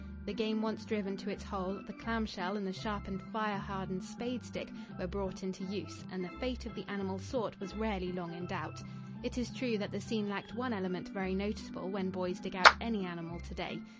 The game once driven to its hole, the clamshell and the sharpened fire hardened spade stick were brought into use and the fate of the animal sought was rarely long in doubt. It is true that the scene lacked one element very noticeable when boys dig out any animal to day.